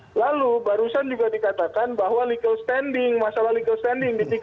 nah lalu barusan juga dikatakan bahwa legal standing masalah legal standing di tiga puluh enam dan empat puluh